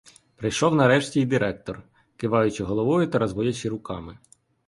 Прийшов нарешті й директор, киваючи головою та розводячи руками.